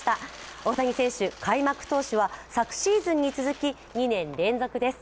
大谷選手、開幕投手は昨シーズンに続き２年連続です。